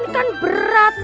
ini kan berat